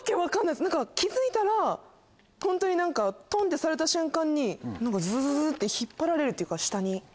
気付いたらホントに何かトンってされた瞬間にズズズって引っ張られるっていうか下に。